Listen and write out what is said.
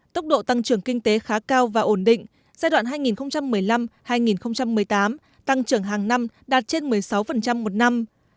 tốc độ tăng trưởng kinh tế khá cao và ổn định giai đoạn hai nghìn một mươi năm hai nghìn một mươi tám tăng trưởng hàng năm đạt trên một mươi sáu một năm